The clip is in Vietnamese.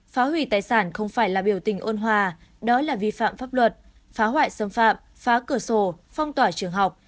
phá hủy tài sản không phải là biểu tình ôn hòa đó là vi phạm pháp luật phá hoại xâm phạm phá cửa sổ phong tỏa trường học